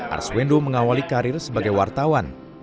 arswendo mengawali karir sebagai wartawan